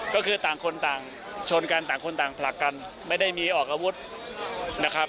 ก็คือต่างคนต่างชนกันต่างคนต่างผลักกันไม่ได้มีออกอาวุธนะครับ